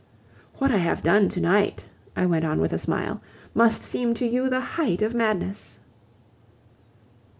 "What I have done to night," I went on with a smile, "must seem to you the height of madness..."